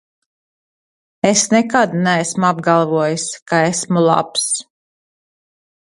Es nekad neesmu apgalvojis, ka esmu labs!